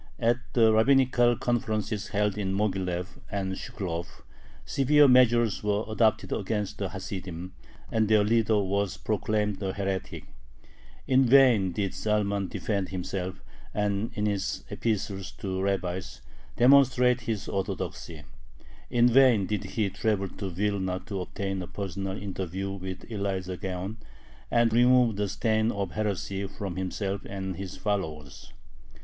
At the rabbinical conferences held in Moghilev and Shklov severe measures were adopted against the Hasidim, and their leader was proclaimed a heretic. In vain did Zalman defend himself, and, in his epistles to the rabbis, demonstrate his Orthodoxy. In vain did he travel to Vilna to obtain a personal interview with Elijah Gaon and remove the stain of heresy from himself and his followers.